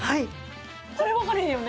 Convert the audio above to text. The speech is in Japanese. これ分かれへんよね。